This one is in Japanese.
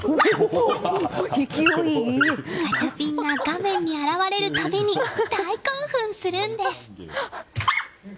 ガチャピンが画面に現れる度に大興奮するんです。